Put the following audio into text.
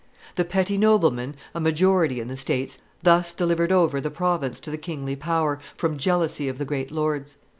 The petty noblemen, a majority in the states, thus delivered over the province to the kingly power, from jealousy of the great lords.